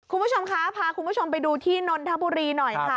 คุณผู้ชมคะพาคุณผู้ชมไปดูที่นนทบุรีหน่อยค่ะ